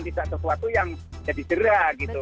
tidak sesuatu yang jadi jerah gitu